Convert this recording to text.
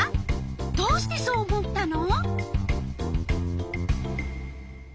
どうしてそう思ったの？